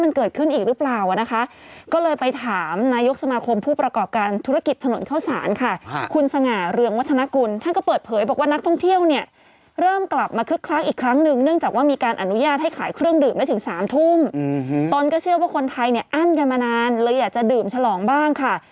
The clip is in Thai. อืมอืมตอนก็เชื่อว่าคนไทยเนี่ยอั้นกันมานานเลยอยากจะดื่มฉลองบ้างค่ะ